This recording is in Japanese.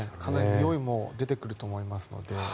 においも出てくると思いますので。